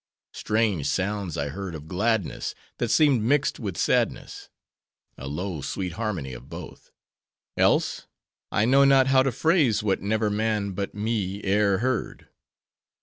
Strange sounds I heard of gladness that seemed mixed with sadness:—a low, sweet harmony of both. Else, I know not how to phrase what never man but me e'er heard.